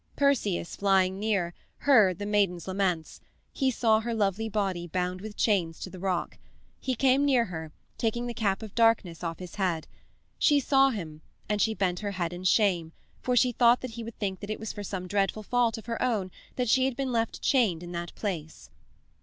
Perseus, flying near, heard the maiden's laments. He saw her lovely body bound with chains to the rock. He came near her, taking the cap of darkness off his head. She saw him, and she bent her head in shame, for she thought that he would think that it was for some dreadful fault of her own that she had been left chained in that place.